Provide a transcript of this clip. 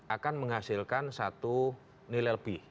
akan menghasilkan satu nilai lebih